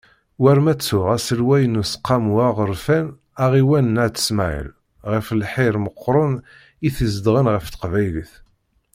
War ma ttuɣ aselway n Useqqamu aɣerfan aɣiwan n At Smaɛel ɣef lḥir meqqren i t-izedɣen ɣef teqbaylit.